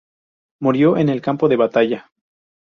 Murió en el campo de batalla.